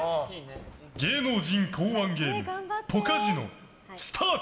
芸能人考案ゲームポカジノスタート！